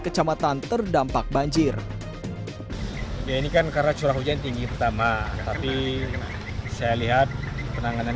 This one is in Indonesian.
kecamatan terdampak banjir ya ini kan karena curah hujan tinggi pertama tapi saya lihat penanganan